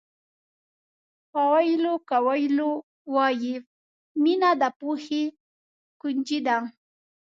پاویلو کویلو وایي مینه د پوهې کونجۍ ده.